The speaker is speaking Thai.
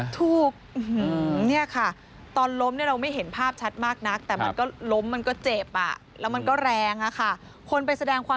ถูกตอนล้มเราไม่เห็นภาพชัดมากนักแต่ล้มมันก็เจ็บแล้วมันก็แรงอะค่ะ